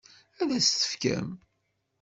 Ad as-tt-tefkem?